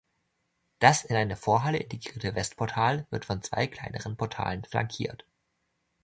Das in eine Vorhalle integrierte Westportal wird von zwei kleineren Portalen flankiert.